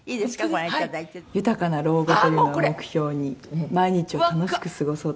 「豊かな老後というのを目標に毎日を楽しく過ごそうと思って」